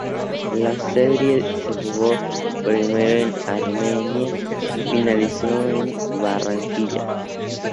La serie se jugó primero en Armenia y finalizó en Barranquilla.